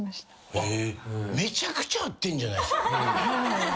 めちゃくちゃ会ってんじゃないですか。